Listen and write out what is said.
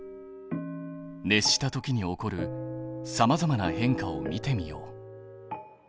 熱したときに起こるさまざまな変化を見てみよう。